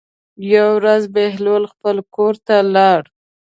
یوه ورځ بهلول خپل کور ته لاړ.